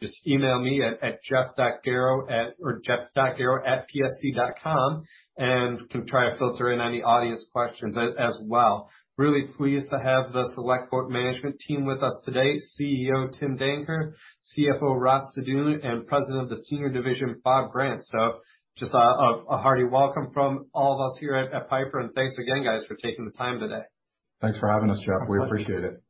Just email me at jeff.garro@psc.com. Can try to filter in any audience questions as well. Really pleased to have the SelectQuote management team with us today, CEO, Tim Danker, CFO, Raff Sadun, and President of the Senior Division, Bob Grant. Just a hearty welcome from all of us here at Piper Sandler. Thanks again, guys, for taking the time today. Thanks for having us, Jeff. We appreciate it.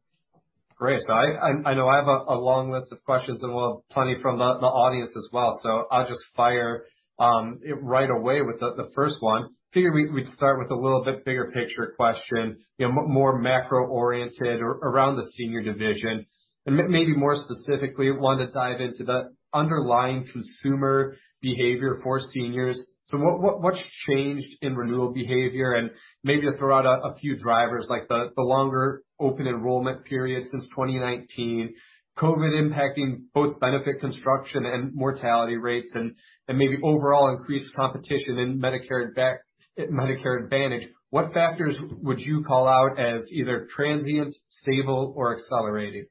Great. I know I have a long list of questions, and we'll have plenty from the audience as well, so I'll just fire right away with the first one. Figured we'd start with a little bit bigger picture question, more macro-oriented around the Senior Division, and maybe more specifically, want to dive into the underlying consumer behavior for seniors. What's changed in renewal behavior? Maybe throw out a few drivers like the longer Open Enrollment Period since 2019, COVID impacting both benefit construction and mortality rates, and maybe overall increased competition in Medicare Advantage. What factors would you call out as either transient, stable, or accelerating?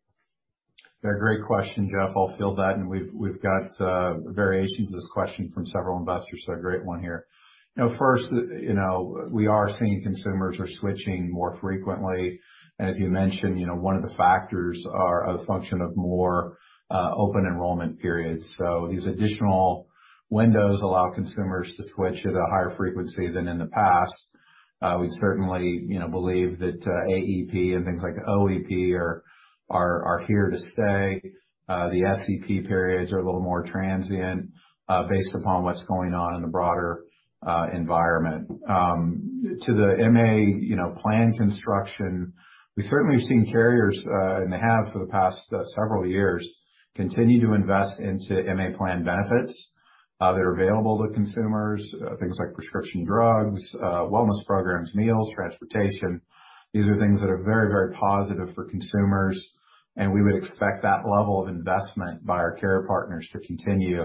Yeah, great question, Jeff. I'll field that. We've got variations of this question from several investors, a great one here. First, we are seeing consumers are switching more frequently. As you mentioned, one of the factors are a function of more open enrollment periods. These additional windows allow consumers to switch at a higher frequency than in the past. We certainly believe that AEP and things like OEP are here to stay. The SEP periods are a little more transient, based upon what's going on in the broader environment. To the MA plan construction, we certainly have seen carriers, and they have for the past several years, continue to invest into MA plan benefits that are available to consumers, things like prescription drugs, wellness programs, meals, transportation. These are things that are very positive for consumers, and we would expect that level of investment by our care partners to continue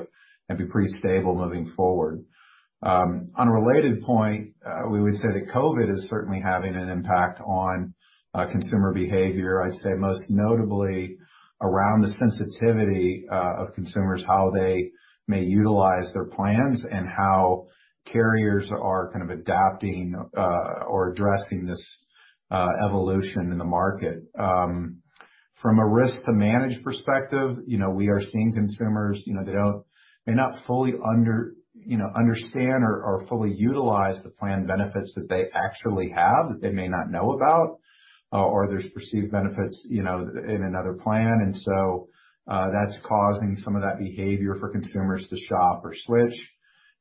and be pretty stable moving forward. On a related point, we would say that COVID is certainly having an impact on consumer behavior. I'd say most notably around the sensitivity of consumers, how they may utilize their plans, and how carriers are kind of adapting or addressing this evolution in the market. From a risk to managed perspective, we are seeing consumers, they may not fully understand or fully utilize the plan benefits that they actually have, that they may not know about, or there's perceived benefits in another plan. That's causing some of that behavior for consumers to shop or switch.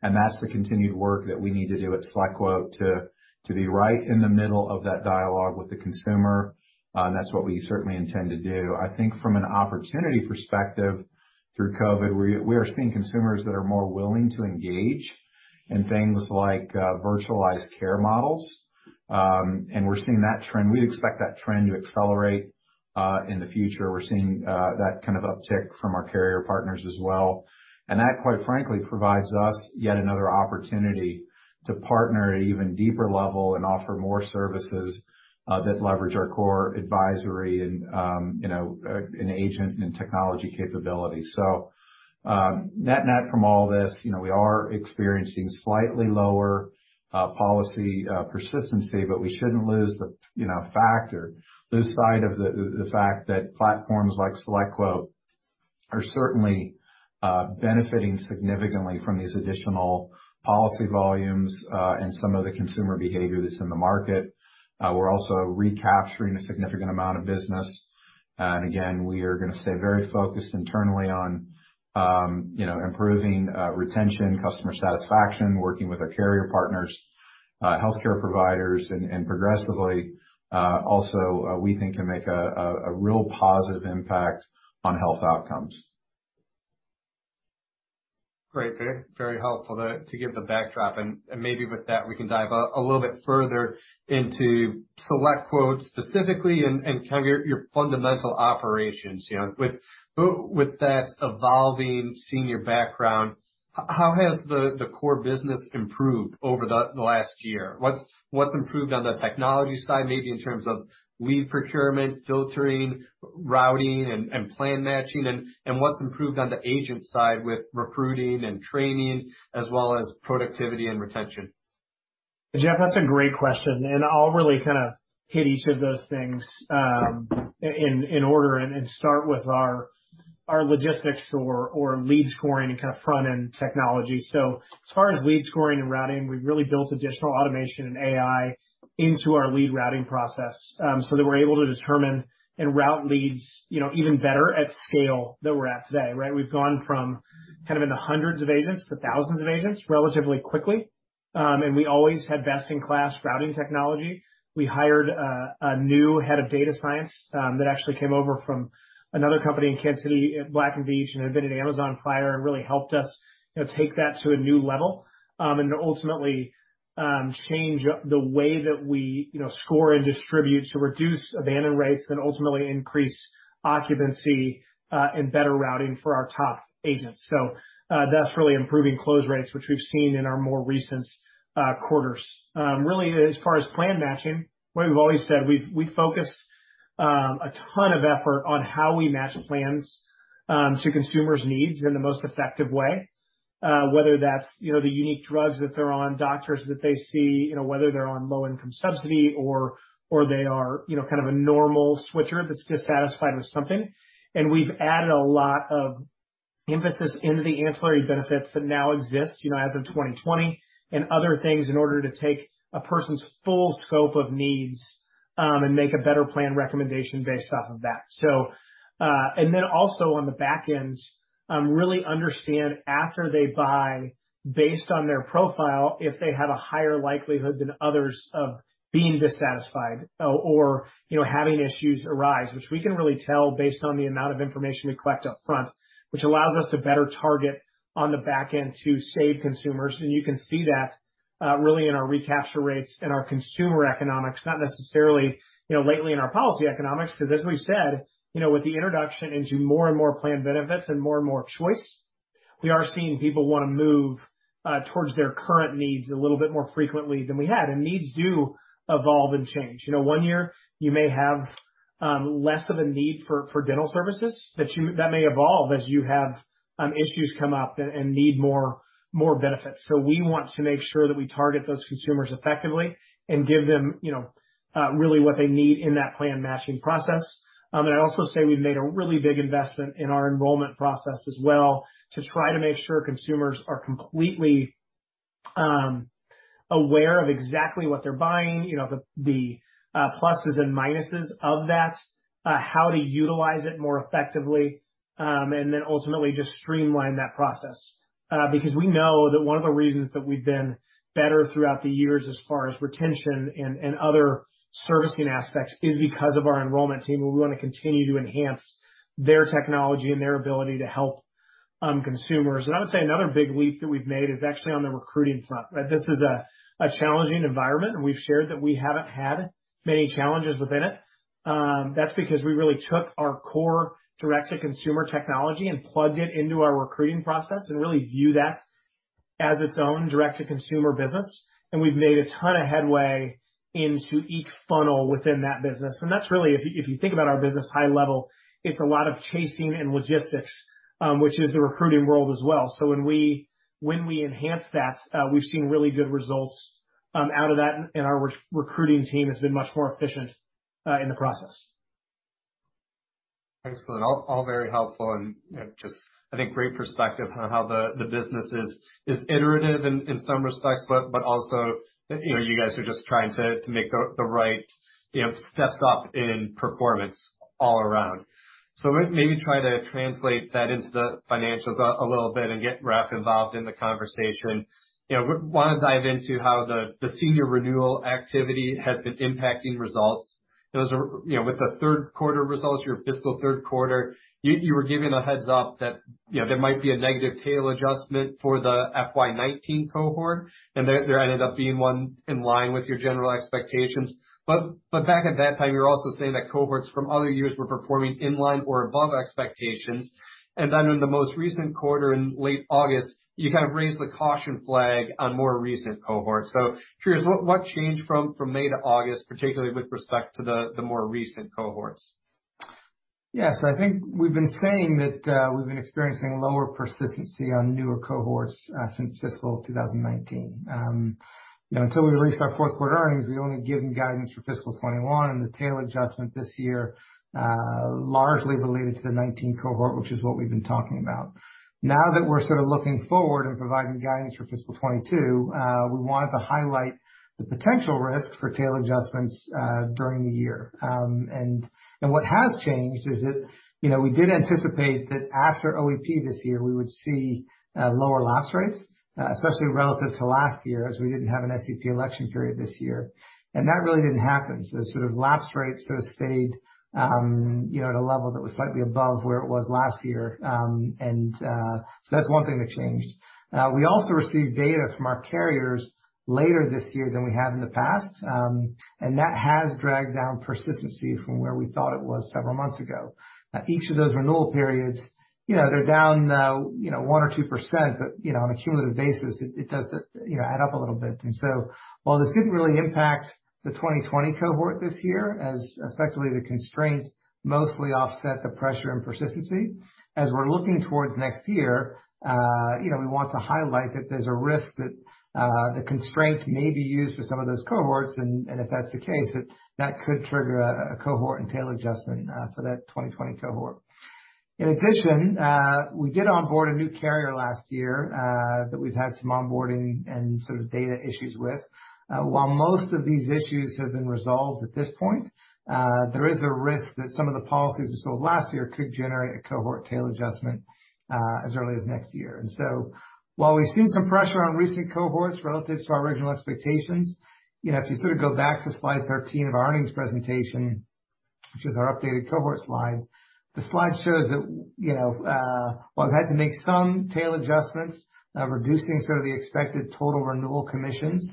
That's the continued work that we need to do at SelectQuote to be right in the middle of that dialogue with the consumer, and that's what we certainly intend to do. I think from an opportunity perspective, through COVID, we are seeing consumers that are more willing to engage in things like virtualized care models, and we're seeing that trend. We'd expect that trend to accelerate in the future. We're seeing that kind of uptick from our carrier partners as well. That, quite frankly, provides us yet another opportunity to partner at an even deeper level and offer more services that leverage our core advisory and agent and technology capabilities. Net from all this, we are experiencing slightly lower policy persistency, but we shouldn't lose the fact that platforms like SelectQuote are certainly benefiting significantly from these additional policy volumes, and some of the consumer behavior that's in the market. We're also recapturing a significant amount of business. Again, we are going to stay very focused internally on improving retention, customer satisfaction, working with our carrier partners, healthcare providers, and progressively, also, we think can make a real positive impact on health outcomes. Great. Very helpful to give the backdrop. Maybe with that, we can dive a little bit further into SelectQuote specifically and your fundamental operations. With that evolving senior background, how has the core business improved over the last year? What's improved on the technology side, maybe in terms of lead procurement, filtering, routing, and plan matching? What's improved on the agent side with recruiting and training, as well as productivity and retention? Jeff, that's a great question, and I'll really kind of hit each of those things in order, and start with our logistics or lead scoring and kind of front-end technology. As far as lead scoring and routing, we've really built additional automation and AI into our lead routing process, so that we're able to determine and route leads even better at scale than we're at today, right? We've gone from kind of in the hundreds of agents to thousands of agents relatively quickly. We always had best-in-class routing technology. We hired a new head of data science, that actually came over from another company in Kansas City, Black & Veatch, and had been at Amazon prior, and really helped us take that to a new level. To ultimately change the way that we score and distribute to reduce abandon rates and ultimately increase occupancy, and better routing for our top agents. That's really improving close rates, which we've seen in our more recent quarters. As far as plan matching, the way we've always said, we focus a ton of effort on how we match plans to consumers' needs in the most effective way. Whether that's the unique drugs that they're on, doctors that they see, whether they're on low-income subsidy or they are kind of a normal switcher that's dissatisfied with something. We've added a lot of emphasis in the ancillary benefits that now exist as of 2020 and other things in order to take a person's full scope of needs, and make a better plan recommendation based off of that. Then also on the back end, really understand after they buy based on their profile, if they have a higher likelihood than others of being dissatisfied or having issues arise, which we can really tell based on the amount of information we collect up front, which allows us to better target on the back end to save consumers. You can see that really in our recapture rates and our consumer economics, not necessarily lately in our policy economics, because as we've said, with the introduction into more and more plan benefits and more and more choice, we are seeing people want to move towards their current needs a little bit more frequently than we had. Needs do evolve and change. One year you may have less of a need for dental services, that may evolve as you have issues come up and need more benefits. We want to make sure that we target those consumers effectively and give them really what they need in that plan matching process. I'd also say we've made a really big investment in our enrollment process as well to try to make sure consumers are completely aware of exactly what they're buying, the pluses and minuses of that, how to utilize it more effectively, and then ultimately just streamline that process. We know that one of the reasons that we've been better throughout the years as far as retention and other servicing aspects is because of our enrollment team, and we want to continue to enhance their technology and their ability to help consumers. I would say another big leap that we've made is actually on the recruiting front. This is a challenging environment, and we've shared that we haven't had many challenges within it. That's because we really took our core direct-to-consumer technology and plugged it into our recruiting process and really view that as its own direct-to-consumer business. We've made a ton of headway into each funnel within that business. That's really, if you think about our business high level, it's a lot of chasing and logistics, which is the recruiting world as well. When we enhance that, we've seen really good results out of that, and our recruiting team has been much more efficient in the process. Excellent. All very helpful and just I think great perspective on how the business is iterative in some respects, but also you guys are just trying to make the right steps up in performance all around. Maybe try to translate that into the financials a little bit and get Raff involved in the conversation. I want to dive into how the Senior renewal activity has been impacting results. With the third quarter results, your fiscal third quarter, you were giving a heads up that there might be a negative tail adjustment for the FY 2019 cohort, and there ended up being one in line with your general expectations. Back at that time, you were also saying that cohorts from other years were performing in line or above expectations. In the most recent quarter in late August, you kind of raised the caution flag on more recent cohorts. Curious, what changed from May to August, particularly with respect to the more recent cohorts? Yeah. I think we've been saying that we've been experiencing lower persistency on newer cohorts since fiscal 2019. Until we released our fourth quarter earnings, we'd only given guidance for fiscal 2021, and the tail adjustment this year, largely related to the 2019 cohort, which is what we've been talking about. Now that we're sort of looking forward and providing guidance for fiscal 2022, we wanted to highlight the potential risk for tail adjustments during the year. What has changed is that we did anticipate that after OEP this year, we would see lower lapse rates, especially relative to last year, as we didn't have an SEP election period this year. That really didn't happen. Sort of lapse rates sort of stayed at a level that was slightly above where it was last year. That's one thing that changed. We also received data from our carriers later this year than we have in the past. That has dragged down persistency from where we thought it was several months ago. Each of those renewal periods, they're down 1% or 2%, but on a cumulative basis, it does add up a little bit. While this didn't really impact the 2020 cohort this year, as effectively the constraints mostly offset the pressure and persistency, as we're looking towards next year, we want to highlight that there's a risk that the constraint may be used for some of those cohorts, and if that's the case, that that could trigger a cohort and tail adjustment for that 2020 cohort. In addition, we did onboard a new carrier last year, that we've had some onboarding and sort of data issues with. While most of these issues have been resolved at this point, there is a risk that some of the policies we sold last year could generate a cohort tail adjustment as early as next year. While we've seen some pressure on recent cohorts relative to our original expectations, if you sort of go back to slide 13 of our earnings presentation, which is our updated cohort slide, the slide shows that while we've had to make some tail adjustments, reducing sort of the expected total renewal commissions,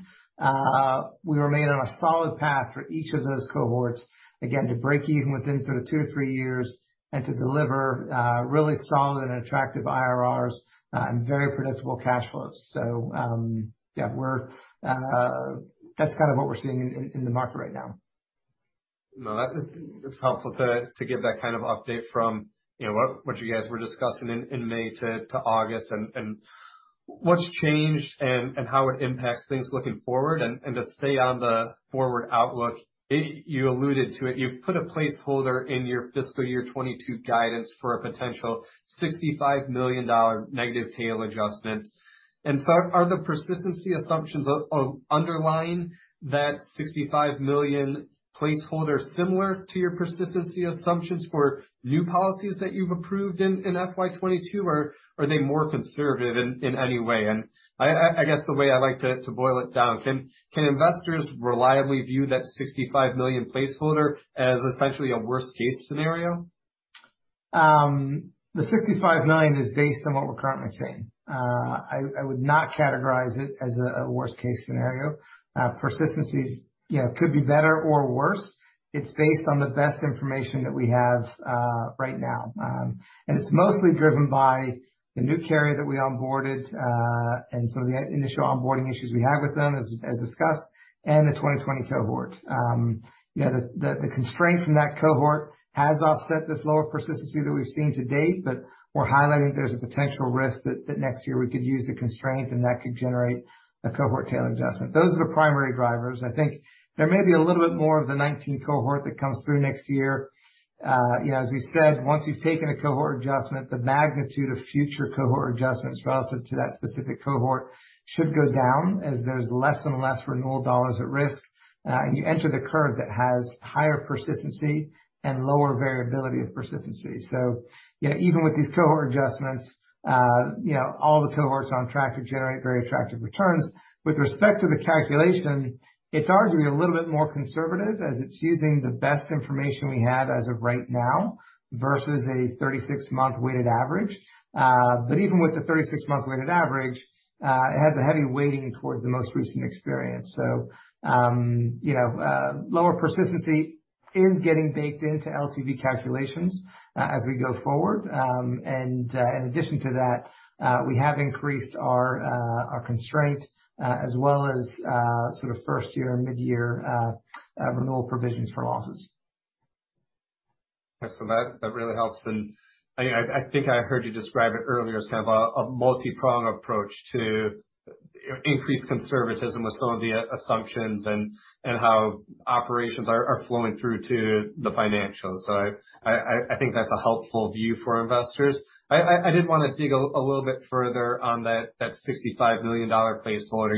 we remain on a solid path for each of those cohorts, again, to break even within sort of two or three years and to deliver really solid and attractive IRRs and very predictable cash flows. That's kind of what we're seeing in the market right now. That's helpful to give that kind of update from what you guys were discussing in May to August, and what's changed and how it impacts things looking forward. To stay on the forward outlook, you alluded to it, you put a placeholder in your fiscal year 2022 guidance for a potential $65 million negative tail adjustment. Are the persistency assumptions underlying that $65 million placeholder similar to your persistency assumptions for new policies that you've approved in FY 2022, or are they more conservative in any way? I guess the way I like to boil it down, can investors reliably view that $65 million placeholder as essentially a worst-case scenario? The $65 million is based on what we're currently seeing. I would not categorize it as a worst-case scenario. Persistency could be better or worse. It's based on the best information that we have right now. It's mostly driven by the new carrier that we onboarded, and some of the initial onboarding issues we had with them, as discussed, and the 2020 cohort. The constraint from that cohort has offset this lower persistency that we've seen to date, but we're highlighting there's a potential risk that next year we could lose the constraint, and that could generate a cohort tail adjustment. Those are the primary drivers. I think there may be a little bit more of the 2019 cohort that comes through next year. As we said, once you've taken a cohort adjustment, the magnitude of future cohort adjustments relative to that specific cohort should go down as there's less and less renewal dollars at risk, and you enter the curve that has higher persistency and lower variability of persistency. Even with these cohort adjustments, all the cohorts are on track to generate very attractive returns. With respect to the calculation, it's arguably a little bit more conservative, as it's using the best information we have as of right now versus a 36-month weighted average. Even with the 36-month weighted average, it has a heavy weighting towards the most recent experience. Lower persistency is getting baked into LTV calculations as we go forward. In addition to that, we have increased our constraint as well as sort of first year, midyear renewal provisions for losses. Excellent. That really helps. I think I heard you describe it earlier as kind of a multipronged approach to increased conservatism with some of the assumptions, and how operations are flowing through to the financials. I think that's a helpful view for investors. I did want to dig a little bit further on that $65 million placeholder.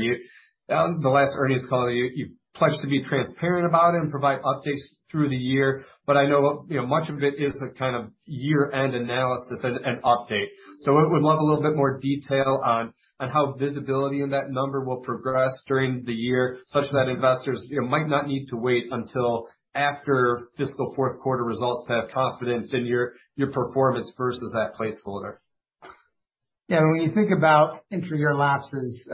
The last earnings call, you pledged to be transparent about it and provide updates through the year, but I know much of it is a kind of year-end analysis and update. I would love a little bit more detail on how visibility in that number will progress during the year, such that investors might not need to wait until after fiscal fourth quarter results to have confidence in your performance versus that placeholder. When you think about intra-year lapses,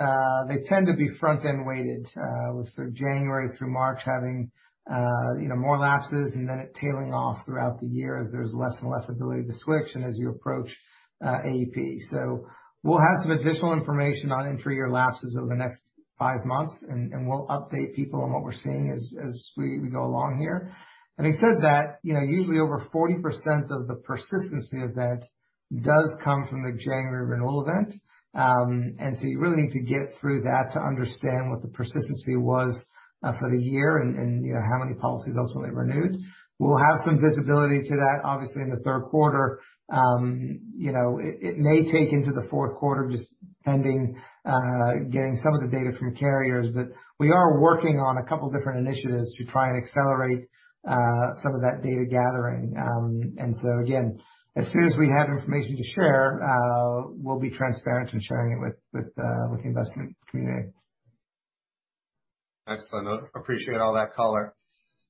they tend to be front-end weighted, with sort of January through March having more lapses and then it tailing off throughout the year as there's less and less ability to switch, and as you approach AEP. We'll have some additional information on intra-year lapses over the next five months, and we'll update people on what we're seeing as we go along here. Having said that, usually over 40% of the persistency event does come from the January renewal event, and you really need to get through that to understand what the persistency was for the year and how many policies ultimately renewed. We'll have some visibility to that, obviously, in the third quarter. It may take into the fourth quarter just pending getting some of the data from carriers. We are working on two different initiatives to try and accelerate some of that data gathering. Again, as soon as we have information to share, we'll be transparent in sharing it with the investment community. Excellent. I appreciate all that color.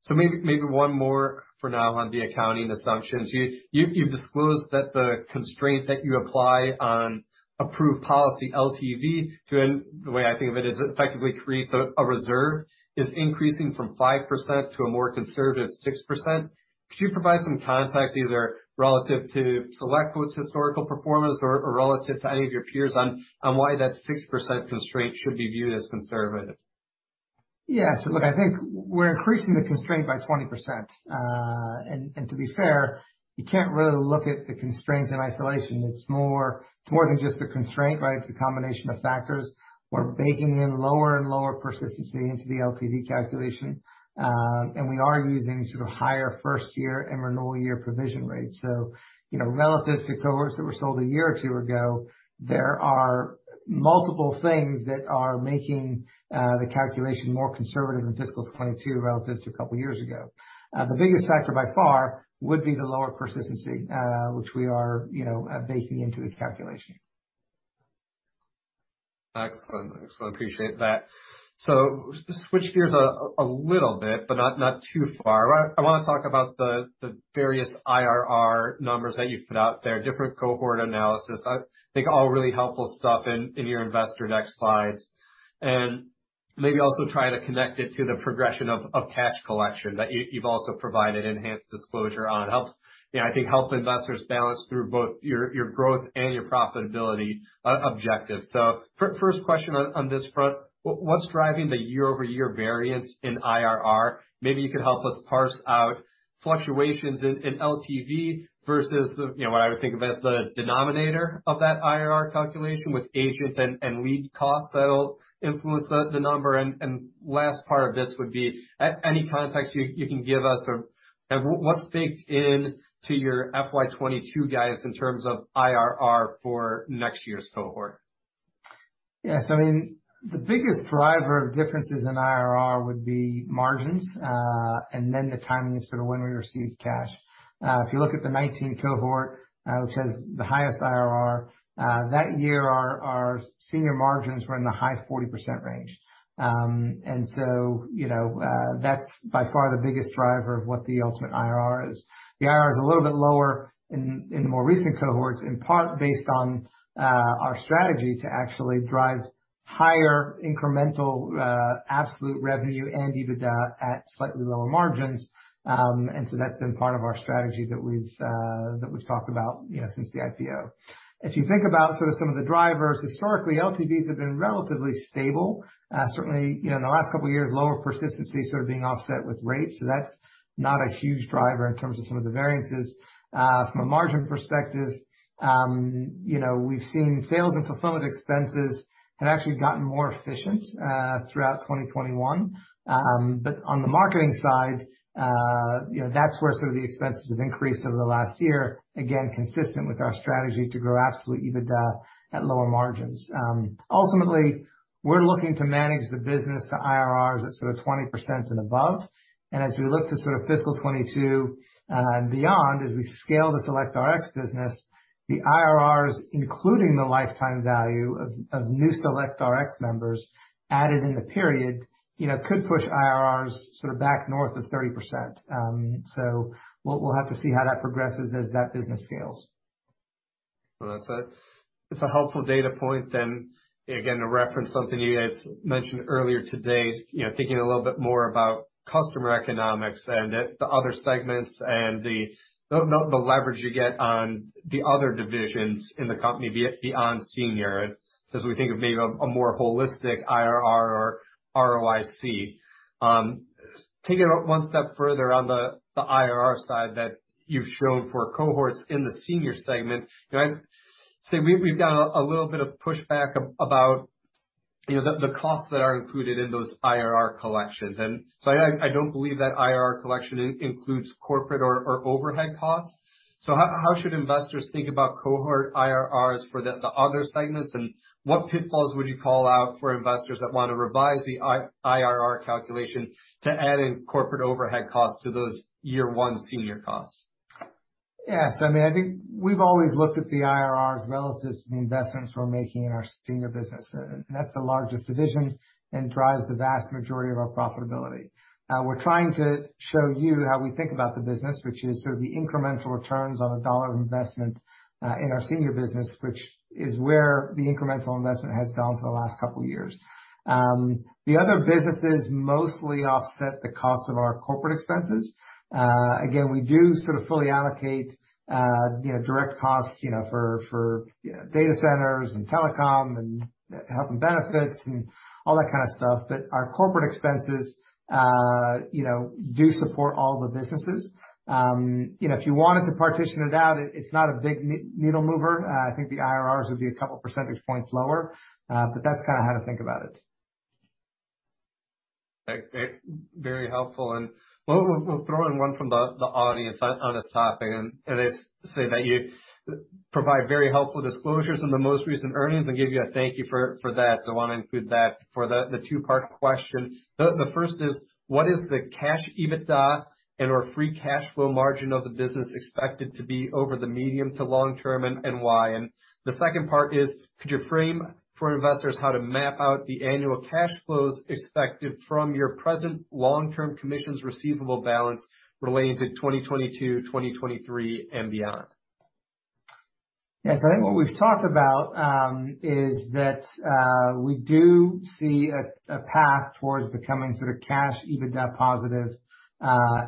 Maybe one more for now on the accounting assumptions. You've disclosed that the constraint that you apply on approved policy LTV to, the way I think of it, is it effectively creates a reserve, is increasing from 5% to a more conservative 6%. Could you provide some context, either relative to SelectQuote's historical performance or relative to any of your peers on why that 6% constraint should be viewed as conservative? Look, I think we're increasing the constraint by 20%. To be fair, you can't really look at the constraint in isolation. It's more than just a constraint, right? It's a combination of factors. We're baking in lower and lower persistency into the LTV calculation. We are using sort of higher first year and renewal year provision rates. Relative to cohorts that were sold a year or two ago, there are multiple things that are making the calculation more conservative in fiscal 2022 relative to a couple of years ago. The biggest factor by far would be the lower persistency, which we are baking into the calculation. Excellent. Appreciate that. Switch gears a little bit, but not too far. I want to talk about the various IRR numbers that you've put out there, different cohort analysis. I think all really helpful stuff in your investor deck slides. Maybe also try to connect it to the progression of cash collection that you've also provided enhanced disclosure on. I think help investors balance through both your growth and your profitability objectives. First question on this front, what's driving the year-over-year variance in IRR? Maybe you could help us parse out fluctuations in LTV versus what I would think of as the denominator of that IRR calculation with agents and lead costs that'll influence the number. Last part of this would be any context you can give us of what's baked into your FY 2022 guidance in terms of IRR for next year's cohort? Yes. I mean, the biggest driver of differences in IRR would be margins, and then the timing of when we receive cash. If you look at the 2019 cohort, which has the highest IRR, that year our senior margins were in the high 40% range. That's by far the biggest driver of what the ultimate IRR is. The IRR is a little bit lower in more recent cohorts, in part based on our strategy to actually drive higher incremental absolute revenue and EBITDA at slightly lower margins. That's been part of our strategy that we've talked about since the IPO. If you think about some of the drivers, historically LTVs have been relatively stable. Certainly, in the last couple of years, lower persistency sort of being offset with rates. That's not a huge driver in terms of some of the variances. From a margin perspective, we've seen sales and fulfillment expenses have actually gotten more efficient throughout 2021. On the marketing side, that's where some of the expenses have increased over the last year, again, consistent with our strategy to grow absolute EBITDA at lower margins. Ultimately, we're looking to manage the business to IRRs at sort of 20% and above. As we look to sort of fiscal 2022 and beyond, as we scale the SelectRx business, the IRRs, including the lifetime value of new SelectRx members added in the period could push IRRs back north of 30%. We'll have to see how that progresses as that business scales. That's it. It's a helpful data point, and again, to reference something you guys mentioned earlier today, thinking a little bit more about customer economics and the other segments and the leverage you get on the other divisions in the company beyond Senior as we think of maybe a more holistic IRR or ROIC. Taking it one step further on the IRR side that you've shown for cohorts in the Senior segment, I'd say we've got a little bit of pushback about the costs that are included in those IRR collections. I don't believe that IRR collection includes corporate or overhead costs. How should investors think about cohort IRRs for the other segments? What pitfalls would you call out for investors that want to revise the IRR calculation to add in corporate overhead costs to those year one Senior costs? Yes. I mean, I think we've always looked at the IRRs relative to the investments we're making in our Senior business. That's the largest division and drives the vast majority of our profitability. We're trying to show you how we think about the business, which is sort of the incremental returns on a dollar of investment in our Senior business, which is where the incremental investment has gone for the last couple years. The other businesses mostly offset the cost of our corporate expenses. Again, we do sort of fully allocate direct costs for data centers and telecom and health and benefits and all that kind of stuff. Our corporate expenses do support all the businesses. If you wanted to partition it out, it's not a big needle mover. I think the IRRs would be a couple percentage points lower. That's kind of how to think about it. Very helpful. We'll throw in one from the audience on this topic, and they say that you provide very helpful disclosures in the most recent earnings and give you a thank you for that. I want to include that for the two-part question. The first is what is the cash EBITDA and/or free cash flow margin of the business expected to be over the medium to long term, and why? The second part is, could you frame for investors how to map out the annual cash flows expected from your present long-term commissions receivable balance relating to 2022, 2023 and beyond? Yes, I think what we've talked about is that we do see a path towards becoming sort of cash EBITDA positive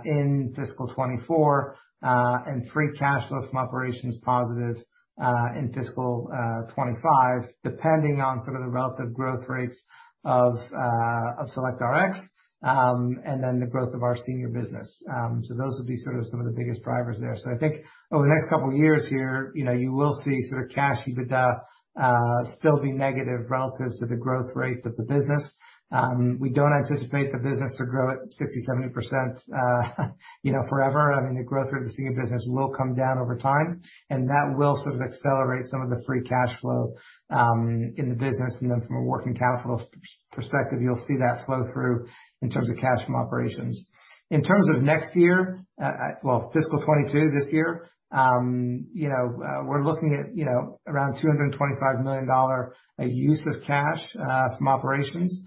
in fiscal 2024, and free cash flow from operations positive in fiscal 2025, depending on sort of the relative growth rates of SelectRx, and then the growth of our Senior business. Those would be sort of some of the biggest drivers there. I think over the next couple years here, you will see sort of cash EBITDA still be negative relative to the growth rate of the business. We don't anticipate the business to grow at 60%, 70% forever. I mean, the growth rate of the Senior business will come down over time, and that will sort of accelerate some of the free cash flow in the business. From a working capital perspective, you'll see that flow through in terms of cash from operations. In terms of next year, well, fiscal 2022, this year, we're looking at around $225 million use of cash from operations,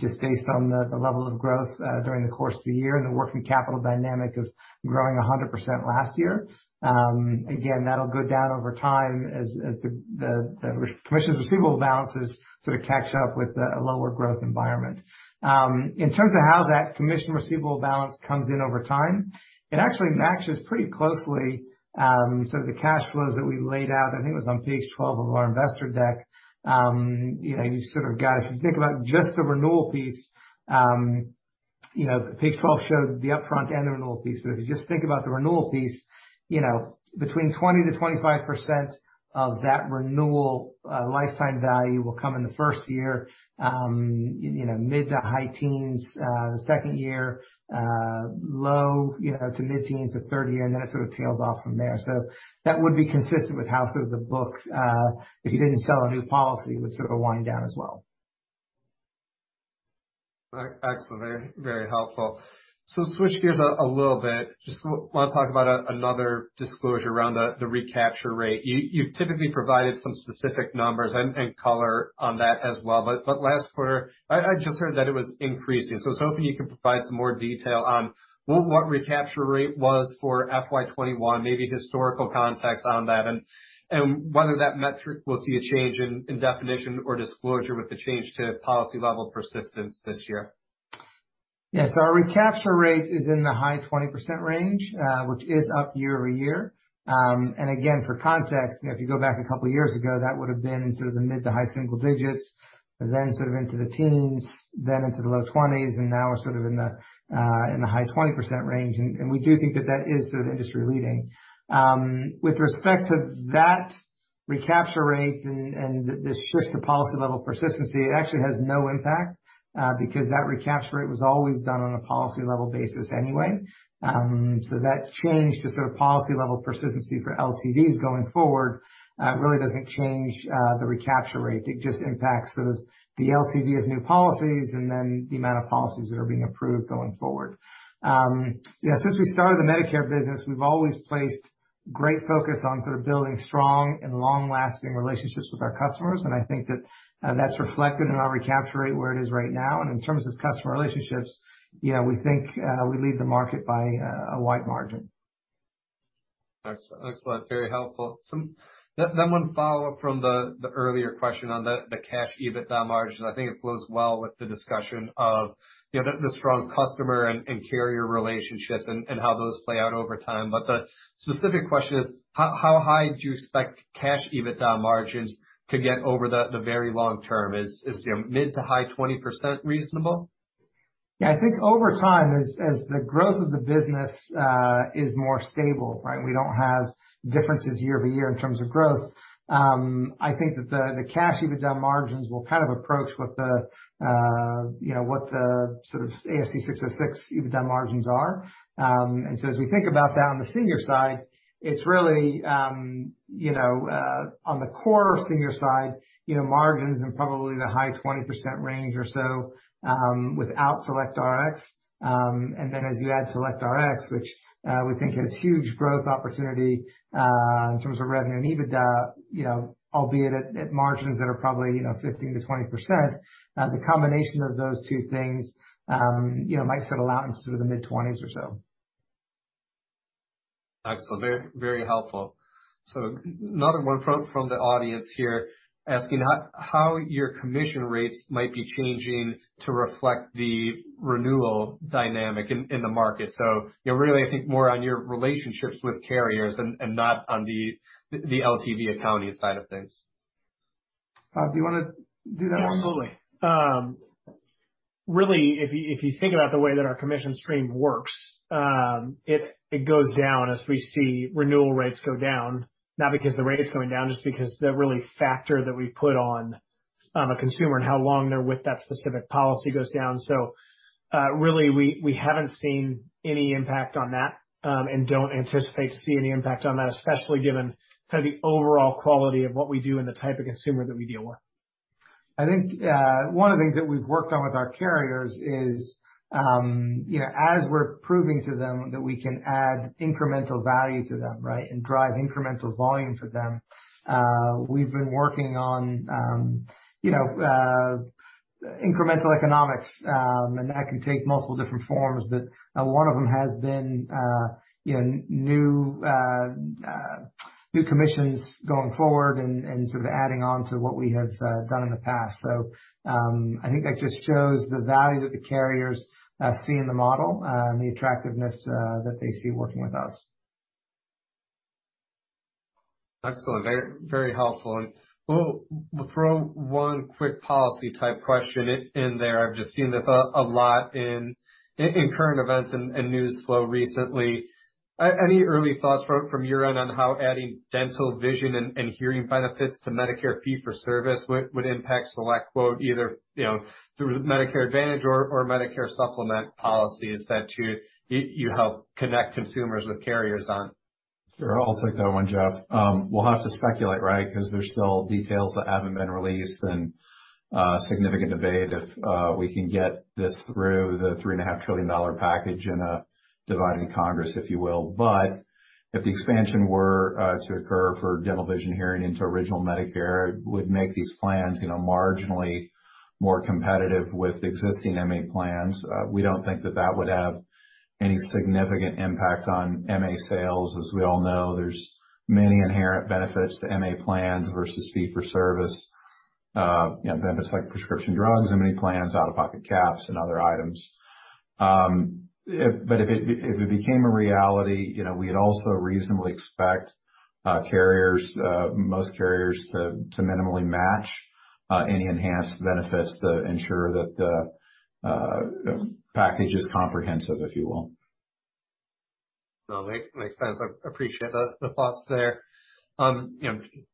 just based on the level of growth during the course of the year and the working capital dynamic of growing 100% last year. Again, that'll go down over time as the commissions receivable balances sort of catch up with a lower growth environment. In terms of how that commission receivable balance comes in over time, it actually matches pretty closely sort of the cash flows that we laid out, I think it was on page 12 of our investor deck. You sort of got it. If you think about just the renewal piece. Page 12 showed the upfront and the renewal piece, but if you just think about the renewal piece, between 20%-25% of that renewal lifetime value will come in the first year, mid to high teens the second year, low to mid-teens the third year, and then it sort of tails off from there. That would be consistent with how the book, if you didn't sell a new policy, would sort of wind down as well. Excellent. Very helpful. Switch gears a little bit. Just want to talk about another disclosure around the recapture rate. You've typically provided some specific numbers and color on that as well. Last quarter, I just heard that it was increasing. I was hoping you could provide some more detail on what recapture rate was for FY 2021, maybe historical context on that, and whether that metric will see a change in definition or disclosure with the change to policy-level persistence this year. Our recapture rate is in the high 20% range, which is up year-over-year. Again, for context, if you go back a couple of years ago, that would've been sort of the mid to high single digits, then sort of into the teens, then into the low 20%s, and now we're sort of in the high 20% range. We do think that that is sort of industry-leading. With respect to that recapture rate and the shift to policy-level persistency, it actually has no impact, because that recapture rate was always done on a policy-level basis anyway. That change to sort of policy-level persistency for LTVs going forward really doesn't change the recapture rate. It just impacts the LTV of new policies and then the amount of policies that are being approved going forward. Yeah, since we started the Medicare business, we've always placed great focus on sort of building strong and long-lasting relationships with our customers, and I think that that's reflected in our recapture rate where it is right now. In terms of customer relationships, yeah, we think we lead the market by a wide margin. Excellent. Very helpful. One follow-up from the earlier question on the cash EBITDA margins. I think it flows well with the discussion of the strong customer and carrier relationships and how those play out over time. The specific question is, how high do you expect cash EBITDA margins to get over the very long term? Is mid to high 20% reasonable? Yeah. I think over time, as the growth of the business is more stable, right? We don't have differences year-over-year in terms of growth. I think that the cash EBITDA margins will kind of approach what the sort of ASC 606 EBITDA margins are. As we think about that on the senior side, it's really on the core Senior side, margins in probably the high 20% range or so, without SelectRx. Then as you add SelectRx, which we think has huge growth opportunity in terms of revenue and EBITDA, albeit at margins that are probably 15%-20%, the combination of those two things might settle out in sort of the mid-20%s or so. Excellent. Very helpful. Another one from the audience here asking how your commission rates might be changing to reflect the renewal dynamic in the market. Really, I think more on your relationships with carriers and not on the LTV accounting side of things. Do you want to do that one? Yes, totally. Really, if you think about the way that our commission stream works, it goes down as we see renewal rates go down, not because the rate is going down, just because the really factor that we put on a consumer and how long they're with that specific policy goes down. Really, we haven't seen any impact on that and don't anticipate to see any impact on that, especially given kind of the overall quality of what we do and the type of consumer that we deal with. I think one of the things that we've worked on with our carriers is, as we're proving to them that we can add incremental value to them, right? Drive incremental volume for them, we've been working on incremental economics, and that can take multiple different forms, but one of them has been new commissions going forward and sort of adding on to what we have done in the past. I think that just shows the value that the carriers see in the model, the attractiveness that they see working with us. Excellent. Very helpful. We'll throw one quick policy type question in there. I've just seen this a lot in current events and news flow recently. Any early thoughts from your end on how adding dental, vision, and hearing benefits to Medicare fee for service would impact SelectQuote, either through Medicare Advantage or Medicare Supplement policies that you help connect consumers with carriers on? Sure. I'll take that one, Jeff. We'll have to speculate, right? There's still details that haven't been released and significant debate if we can get this through the $3.5 trillion package in a divided Congress, if you will. If the expansion were to occur for dental, vision, hearing into Original Medicare, it would make these plans marginally more competitive with existing MA plans. We don't think that that would have any significant impact on MA sales. As we all know, there's many inherent benefits to MA plans versus fee for service, benefits like prescription drugs in many plans, out-of-pocket caps, and other items. If it became a reality, we'd also reasonably expect most carriers to minimally match Any enhanced benefits that ensure that the package is comprehensive, if you will. No, makes sense. I appreciate the thoughts there.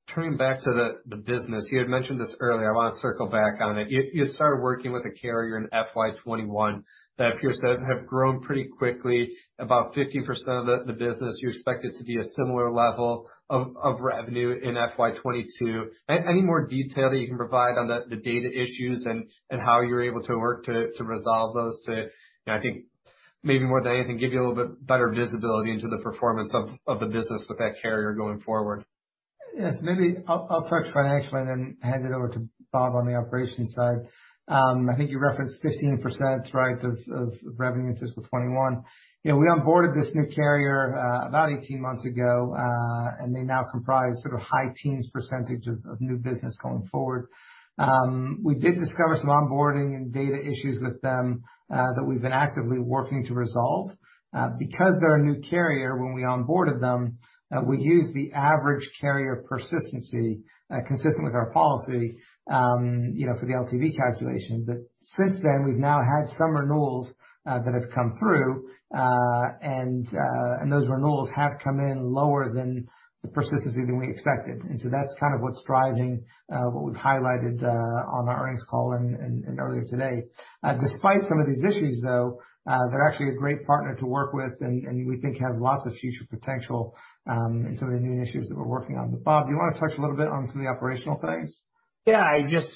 Turning back to the business, you had mentioned this earlier, I want to circle back on it. You had started working with a carrier in FY 2021 that appears to have grown pretty quickly, about 15% of the business. You expect it to be a similar level of revenue in FY 2022. Any more detail that you can provide on the data issues and how you're able to work to resolve those to, I think maybe more than anything, give you a little bit better visibility into the performance of the business with that carrier going forward? Yes, maybe I'll start to financially and then hand it over to Bob on the operations side. I think you referenced 15%, right, of revenue in fiscal 2021. We onboarded this new carrier about 18 months ago, and they now comprise sort of high teens percentage of new business going forward. We did discover some onboarding and data issues with them, that we've been actively working to resolve. Because they're a new carrier, when we onboarded them, we used the average carrier persistency, consistent with our policy, for the LTV calculation. Since then, we've now had some renewals that have come through, and those renewals have come in lower than the persistency than we expected. That's kind of what's driving what we've highlighted on our earnings call and earlier today. Despite some of these issues, though, they're actually a great partner to work with and we think have lots of future potential in some of the new issues that we're working on. Bob, you want to touch a little bit on some of the operational things? Yeah, just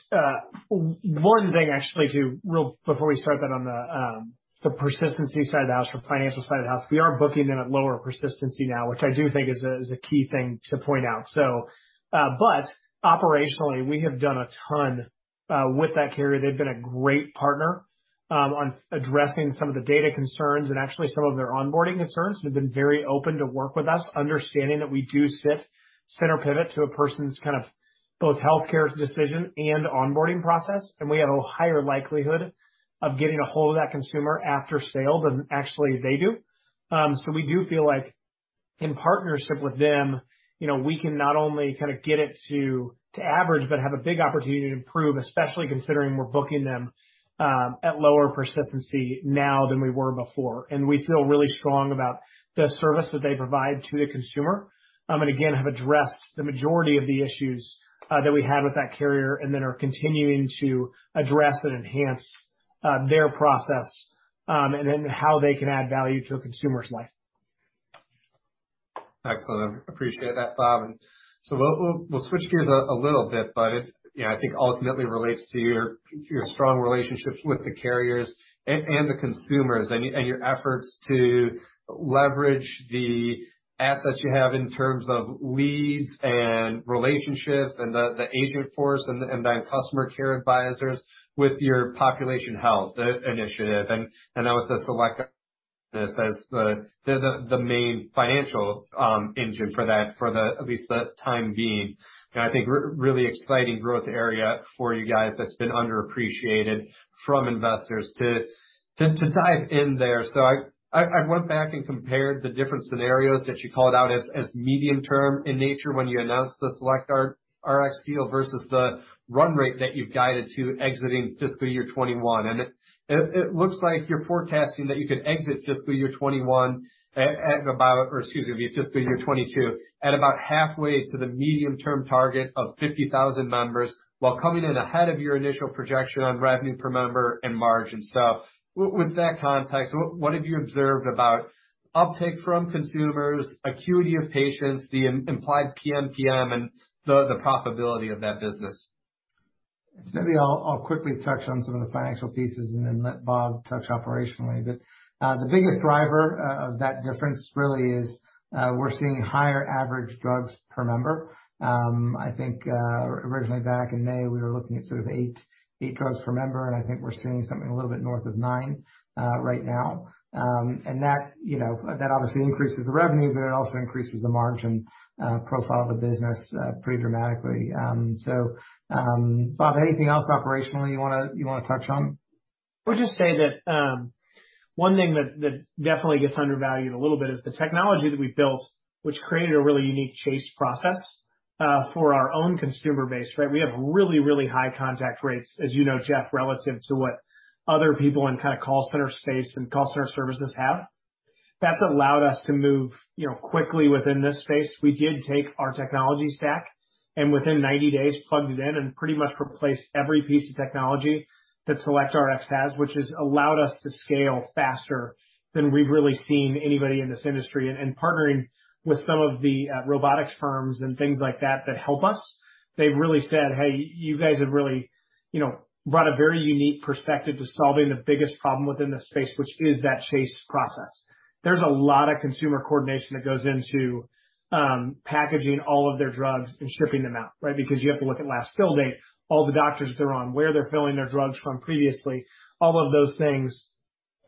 one thing actually, too, real quick before we start that on the persistency side of the house, from financial side of the house. We are booking them at lower persistency now, which I do think is a key thing to point out. Operationally, we have done a ton with that carrier. They've been a great partner on addressing some of the data concerns and actually some of their onboarding concerns. They've been very open to work with us, understanding that we do sit center pivot to a person's kind of both healthcare decision and onboarding process, and we have a higher likelihood of getting a hold of that consumer after sale than actually they do. We do feel like in partnership with them, we can not only kind of get it to average, but have a big opportunity to improve, especially considering we're booking them, at lower persistency now than we were before. We feel really strong about the service that they provide to the consumer, and again, have addressed the majority of the issues that we had with that carrier and then are continuing to address and enhance their process, and then how they can add value to a consumer's life. Excellent. Appreciate that, Bob. We'll switch gears a little bit, but I think ultimately relates to your strong relationships with the carriers and the consumers and your efforts to leverage the assets you have in terms of leads and relationships and the agent force and the customer care advisors with your population health initiative, and now with the SelectRx as the main financial engine for that for at least the time being. I think really exciting growth area for you guys that's been underappreciated from investors. To dive in there, I went back and compared the different scenarios that you called out as medium-term in nature when you announced the SelectRx deal versus the run rate that you've guided to exiting fiscal year 2021. It looks like you're forecasting that you could exit fiscal year 2021 at about, or excuse me, fiscal year 2022 at about halfway to the medium-term target of 50,000 members while coming in ahead of your initial projection on revenue per member and margin. With that context, what have you observed about uptake from consumers, acuity of patients, the implied PMPM, and the profitability of that business? Maybe I'll quickly touch on some of the financial pieces and then let Bob touch operationally. The biggest driver of that difference really is we're seeing higher average drugs per member. I think, originally back in May, we were looking at sort of eight drugs per member, and I think we're seeing something a little bit north of nine right now. That obviously increases the revenue, but it also increases the margin profile of the business pretty dramatically. Bob, anything else operationally you want to touch on? I'll just say that one thing that definitely gets undervalued a little bit is the technology that we built, which created a really unique chase process for our own consumer base, right? We have really, really high contact rates, as you know, Jeff, relative to what other people in kind of call center space and call center services have. That's allowed us to move quickly within this space. We did take our technology stack and within 90 days plugged it in and pretty much replaced every piece of technology that SelectRx has, which has allowed us to scale faster than we've really seen anybody in this industry. Partnering with some of the robotics firms and things like that that help us, they've really said, "Hey, you guys have really brought a very unique perspective to solving the biggest problem within this space," which is that chase process. There's a lot of consumer coordination that goes into packaging all of their drugs and shipping them out, right? Because you have to look at last fill date, all the doctors they're on, where they're filling their drugs from previously, all of those things.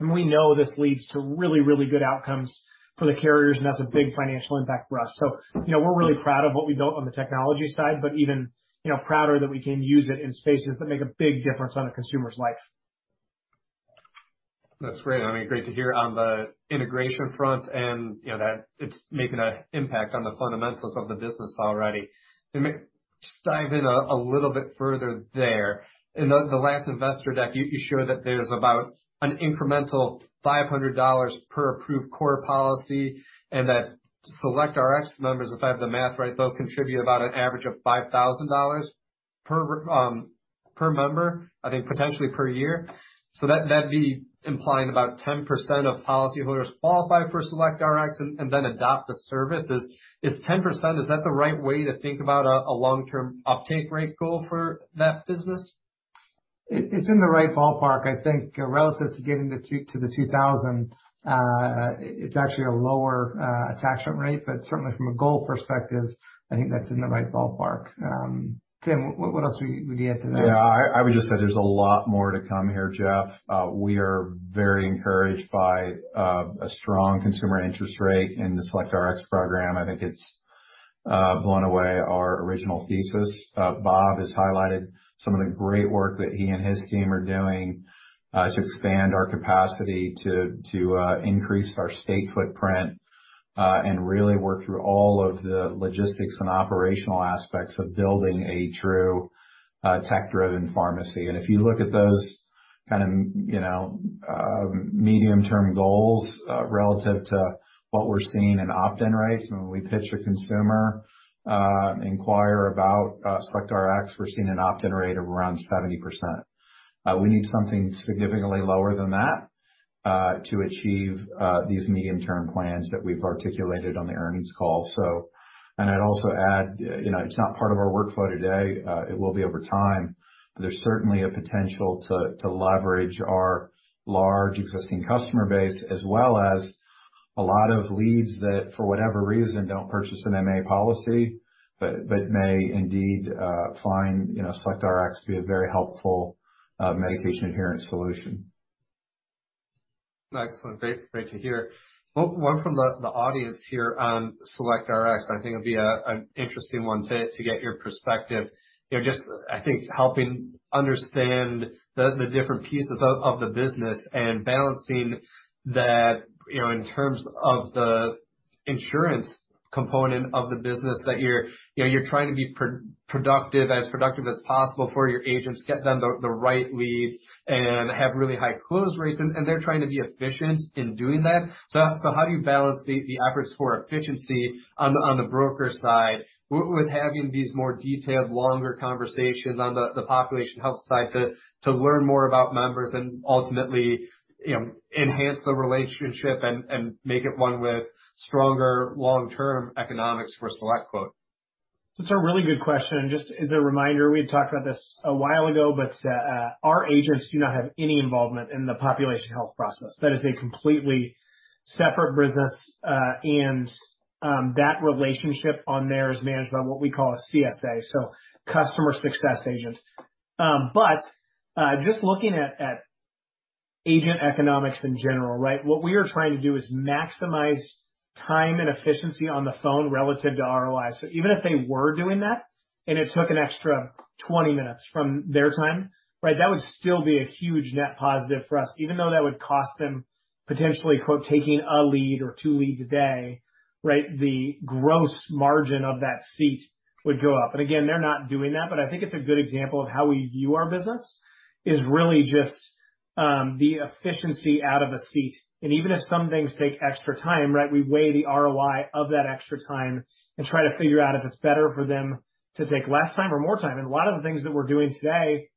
We know this leads to really, really good outcomes for the carriers, and that's a big financial impact for us. We're really proud of what we built on the technology side, but even prouder that we can use it in spaces that make a big difference on a consumer's life. That's great. Great to hear on the integration front, and that it's making an impact on the fundamentals of the business already. Let me just dive in a little bit further there. In the last investor deck, you showed that there's about an incremental $500 per approved core policy, and that SelectRx members, if I have the math right, they'll contribute about an average of $5,000 per member, I think potentially per year. That'd be implying about 10% of policyholders qualify for SelectRx and then adopt the service. Is 10%, is that the right way to think about a long-term uptake rate goal for that business? It's in the right ballpark. I think relative to getting to the $2,000, it's actually a lower attachment rate, certainly from a goal perspective, I think that's in the right ballpark. Tim, what else would you add to that? Yeah, I would just say there's a lot more to come here, Jeff. We are very encouraged by a strong consumer interest rate in the SelectRx program. I think it's blown away our original thesis. Bob has highlighted some of the great work that he and his team are doing to expand our capacity to increase our state footprint, and really work through all of the logistics and operational aspects of building a true tech-driven pharmacy. If you look at those kind of medium-term goals relative to what we're seeing in opt-in rates, when we pitch a consumer, inquire about SelectRx, we're seeing an opt-in rate of around 70%. We need something significantly lower than that to achieve these medium-term plans that we've articulated on the earnings call. I'd also add, it's not part of our workflow today. It will be over time, but there's certainly a potential to leverage our large existing customer base as well as a lot of leads that, for whatever reason, don't purchase an MA policy, but may indeed find SelectRx to be a very helpful medication adherence solution. Excellent. Great to hear. One from the audience here on SelectRx. I think it'll be an interesting one to get your perspective. Just I think helping understand the different pieces of the business and balancing that in terms of the insurance component of the business that you're trying to be as productive as possible for your agents, get them the right leads, and have really high close rates, and they're trying to be efficient in doing that. How do you balance the efforts for efficiency on the broker side with having these more detailed, longer conversations on the population health side to learn more about members and ultimately enhance the relationship and make it one with stronger long-term economics for SelectQuote? That's a really good question. Just as a reminder, we had talked about this a while ago, but our agents do not have any involvement in the population health process. That is a completely separate business. That relationship on there is managed by what we call a CSA, so customer success agent. Just looking at agent economics in general, right? What we are trying to do is maximize time and efficiency on the phone relative to ROIs. Even if they were doing that and it took an extra 20 minutes from their time, that would still be a huge net positive for us, even though that would cost them potentially, quote, "taking a lead or two leads a day." The gross margin of that seat would go up. Again, they're not doing that, but I think it's a good example of how we view our business, is really just the efficiency out of a seat. Even if some things take extra time, we weigh the ROI of that extra time and try to figure out if it's better for them to take less time or more time. A lot of the things that we're doing today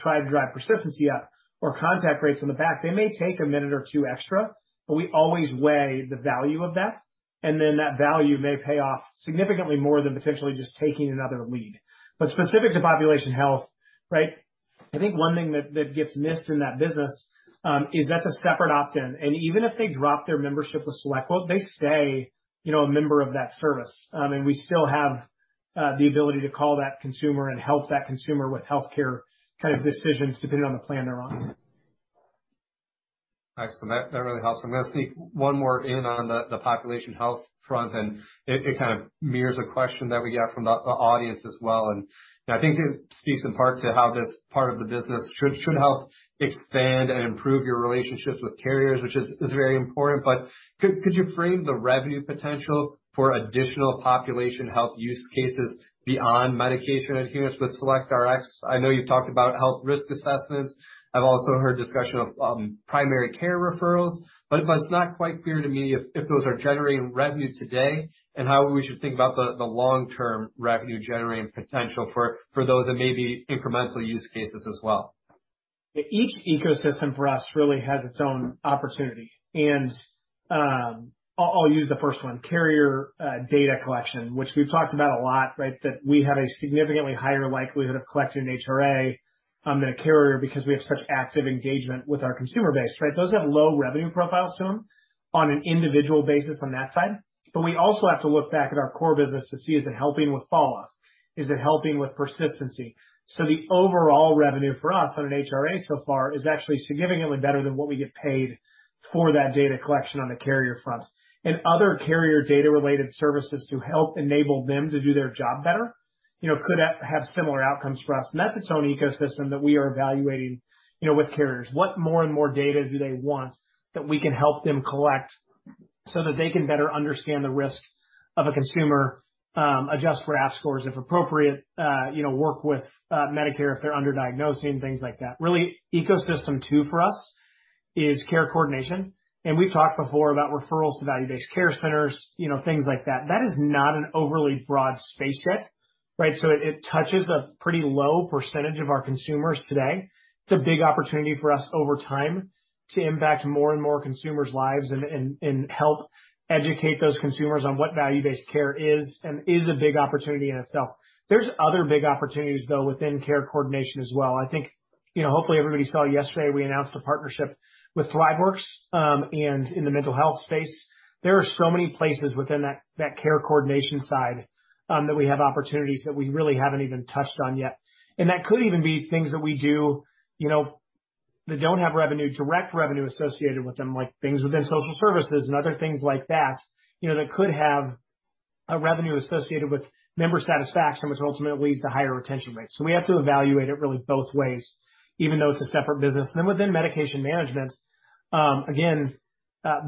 try to drive persistency up or contact rates on the back. They may take a minute or two extra, but we always weigh the value of that, and then that value may pay off significantly more than potentially just taking another lead. Specific to population health, I think one thing that gets missed in that business is that's a separate opt-in, and even if they drop their membership with SelectQuote, they stay a member of that service. We still have the ability to call that consumer and help that consumer with healthcare kind of decisions depending on the plan they're on. Excellent. That really helps. I'm going to sneak one more in on the population health front, and it kind of mirrors a question that we got from the audience as well. I think it speaks in part to how this part of the business should help expand and improve your relationships with carriers, which is very important. Could you frame the revenue potential for additional population health use cases beyond medication adherence with SelectRx? I know you've talked about health risk assessments. I've also heard discussion of primary care referrals, but it's not quite clear to me if those are generating revenue today and how we should think about the long-term revenue generating potential for those and maybe incremental use cases as well. Each ecosystem for us really has its own opportunity. I'll use the first one, carrier data collection, which we've talked about a lot, that we have a significantly higher likelihood of collecting an HRA than a carrier because we have such active engagement with our consumer base. Those have low revenue profiles to them on an individual basis on that side. We also have to look back at our core business to see, is it helping with follow-ups? Is it helping with persistency? The overall revenue for us on an HRA so far is actually significantly better than what we get paid for that data collection on the carrier front and other carrier data-related services to help enable them to do their job better could have similar outcomes for us. That's its own ecosystem that we are evaluating with carriers. What more and more data do they want that we can help them collect so that they can better understand the risk of a consumer, adjust for RAF scores, if appropriate, work with Medicare if they're under-diagnosing, things like that. Really, ecosystem two for us is care coordination, and we've talked before about referrals to value-based care centers, things like that. That is not an overly broad space yet, right? It touches a pretty low percentage of our consumers today. It's a big opportunity for us over time to impact more and more consumers' lives and help educate those consumers on what value-based care is and is a big opportunity in itself. There's other big opportunities, though, within care coordination as well. I think, hopefully, everybody saw yesterday, we announced a partnership with Thriveworks, and in the mental health space, there are so many places within that care coordination side that we have opportunities that we really haven't even touched on yet. That could even be things that we do that don't have direct revenue associated with them, like things within social services and other things like that could have a revenue associated with member satisfaction, which ultimately leads to higher retention rates. We have to evaluate it really both ways, even though it's a separate business. Within medication management, again,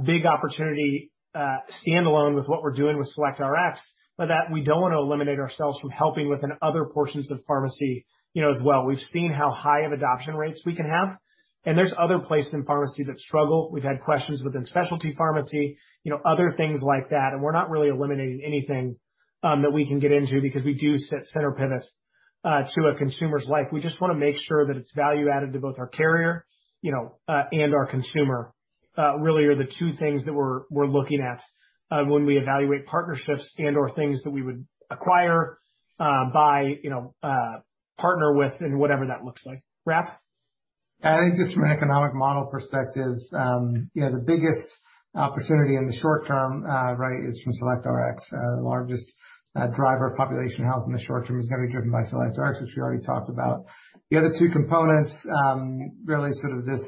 big opportunity standalone with what we're doing with SelectRx, but that we don't want to eliminate ourselves from helping within other portions of pharmacy as well. We've seen how high of adoption rates we can have, and there's other places in pharmacy that struggle. We've had questions within specialty pharmacy, other things like that, and we're not really eliminating anything that we can get into because we do center pivot to a consumer's life. We just want to make sure that it's value-added to both our carrier and our consumer, really are the two things that we're looking at when we evaluate partnerships and/or things that we would acquire, buy, partner with and whatever that looks like. Raff? I think just from an economic model perspective, the biggest opportunity in the short term is from SelectRx. The largest driver of population health in the short term is going to be driven by SelectRx, which we already talked about. The other two components, really sort of this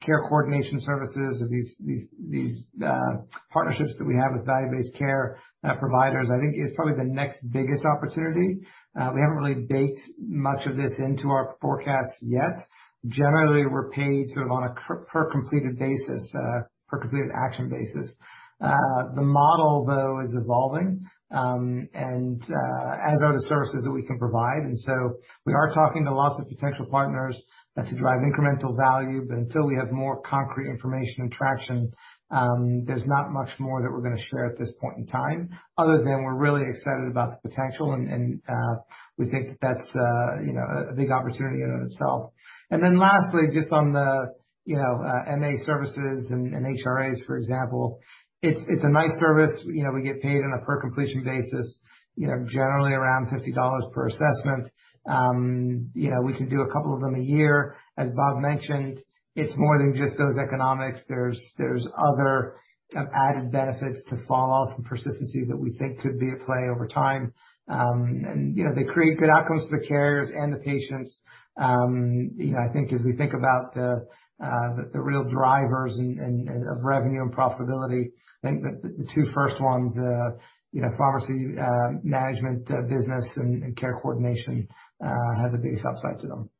care coordination services or these partnerships that we have with value-based care providers, I think is probably the next biggest opportunity. We haven't really baked much of this into our forecast yet. Generally, we're paid sort of on a per completed action basis. The model, though, is evolving, as are the services that we can provide, and so we are talking to lots of potential partners to drive incremental value. Until we have more concrete information and traction, there's not much more that we're going to share at this point in time other than we're really excited about the potential, and we think that's a big opportunity in and of itself. Lastly, just on the MA services and HRAs, for example, it's a nice service. We get paid on a per completion basis, generally around $50 per assessment. We could do a couple of them a year. As Bob mentioned, it's more than just those economics. There's other added benefits to follow from persistency that we think could be at play over time. They create good outcomes for the carriers and the patients. I think as we think about the real drivers of revenue and profitability, I think that the two first ones, pharmacy management business and care coordination, have the biggest upside to them.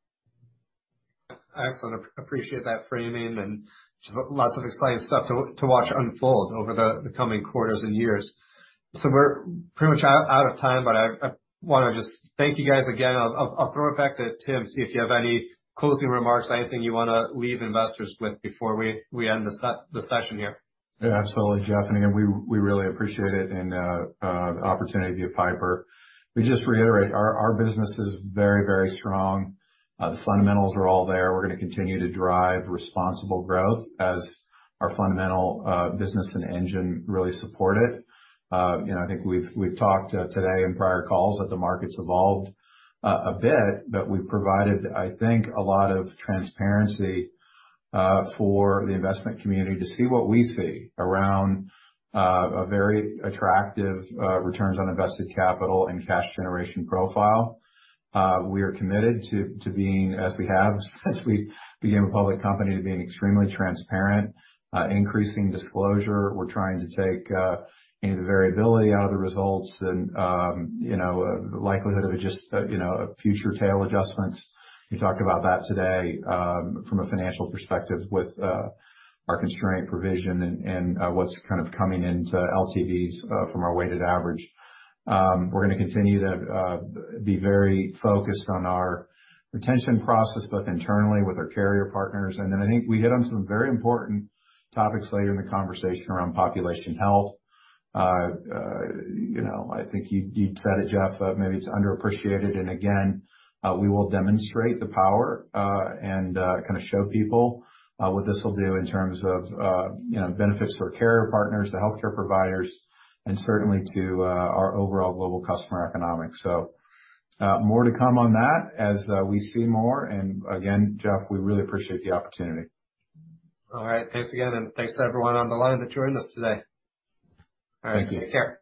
Excellent. Appreciate that framing and just lots of exciting stuff to watch unfold over the coming quarters and years. We're pretty much out of time, but I want to just thank you guys again. I'll throw it back to Tim, see if you have any closing remarks, anything you want to leave investors with before we end the session here. Yeah, absolutely, Jeff, and again, we really appreciate it and the opportunity via Piper. Let me just reiterate, our business is very strong. The fundamentals are all there. We're going to continue to drive responsible growth as our fundamental business and engine really support it. I think we've talked today in prior calls that the market's evolved a bit, but we've provided, I think, a lot of transparency for the investment community to see what we see around very attractive returns on invested capital and cash generation profile. We are committed to being, as we became a public company, to being extremely transparent, increasing disclosure. We're trying to take any of the variability out of the results and the likelihood of just future tail adjustments. We talked about that today from a financial perspective with our constrained provision and what's kind of coming into LTVs from our weighted average. We're going to continue to be very focused on our retention process, both internally with our carrier partners, and then I think we hit on some very important topics later in the conversation around population health. I think you said it, Jeff, maybe it's underappreciated, and again, we will demonstrate the power and kind of show people what this will do in terms of benefits for carrier partners to healthcare providers, and certainly to our overall global customer economics. More to come on that as we see more. Again, Jeff, we really appreciate the opportunity. All right. Thanks again, and thanks to everyone on the line that joined us today. Thank you. All right, take care.